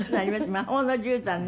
「魔法のじゅうたん」ね